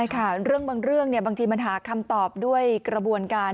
ใช่ค่ะเรื่องบางเรื่องบางทีมันหาคำตอบด้วยกระบวนการ